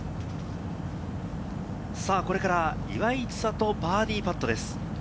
これから岩井千怜、バーディーパットです。